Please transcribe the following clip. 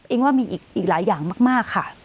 ว่ามีอีกหลายอย่างมากค่ะ